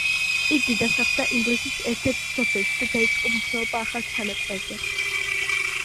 იგი დასახლდა ინგლისის ერთ-ერთ სოფელში და დაიწყო მუშაობა ახალ ჩანაწერზე.